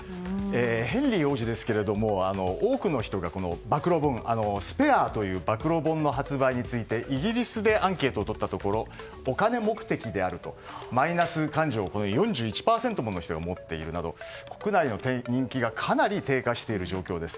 ヘンリー王子ですが、多くの人が「スペア」という暴露本の発売についてイギリスでアンケートを取ったところお金目的であるとマイナス感情を４１％もの人が持っているなど国内の人気がかなり低下している状況です。